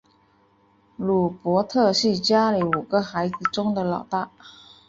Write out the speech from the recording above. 鲁伯特是家里五个孩子中的老大。